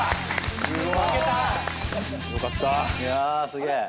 すげえ！